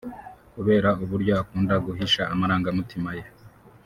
Kubera uburyo akunda guhisha amarangamutima ye